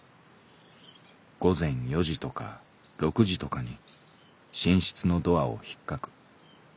午前四時とか六時とかに寝室のドアをひっかく。